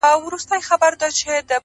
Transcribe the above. دا زړه بېړی به خامخا ډوبېږي,